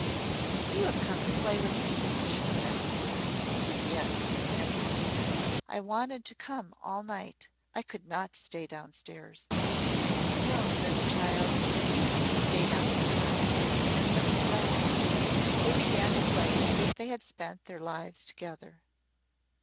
"You have come to play with me," she said. "Yes," answered Judith. "I wanted to come all night. I could not stay down stairs." "No," said the child; "you can't stay down stairs. Lift up the doll." They began to play as if they had spent their lives together.